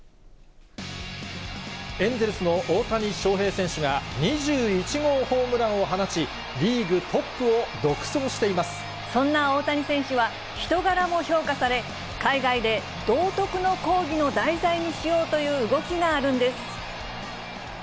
エンゼルスの大谷翔平選手が、２１号ホームランを放ち、そんな大谷選手は、人柄も評価され、海外で道徳の講義の題材にしようという動きがあるんです。